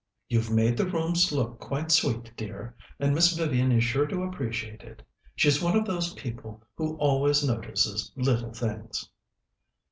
"You've made the rooms look quite sweet, dear, and Miss Vivian is sure to appreciate it. She's one of those people who always notices little things."